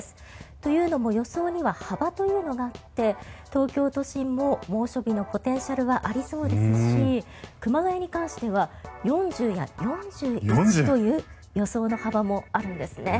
というのも予想には幅というのがあって東京都心も猛暑日のポテンシャルはありそうですし熊谷に関しては４０や４１という予想の幅もあるんです。